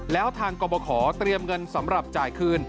แล้วทางกรบขอเตรียมเงินสำหรับจ่ายคืน